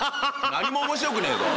何も面白くねえぞ。